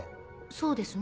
そうですね。